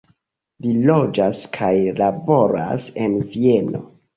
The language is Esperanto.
Li loĝas kaj laboras en Vieno.